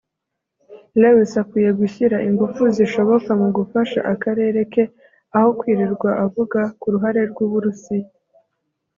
Lewis akwiye gushyira ingufu zishoboka mu gufasha akarere ke aho kwirirwa avuga ku ruhare rw’u Burusiya